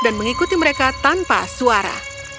dan mengikuti mereka tanpa suara